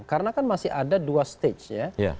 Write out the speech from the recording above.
karena kan masih ada dua stage ya